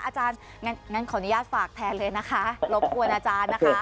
อาจารย์งั้นขออนุญาตฝากแทนเลยนะคะรบกวนอาจารย์นะคะ